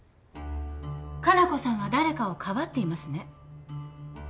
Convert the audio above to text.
加奈子さんは誰かをかばっていますね？